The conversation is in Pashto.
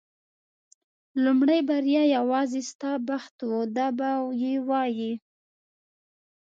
لومړۍ بریا یوازې ستا بخت و دا به یې وایي.